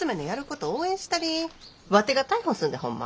ワテが逮捕すんでホンマ。